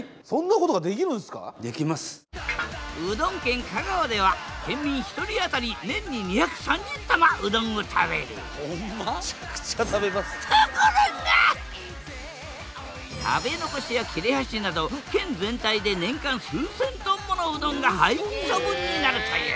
うどん県香川では県民１人当たり年に２３０玉うどんを食べる食べ残しや切れはしなど県全体で年間数千トンものうどんが廃棄処分になるという。